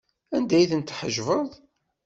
Anda ay ten-tḥejbeḍ?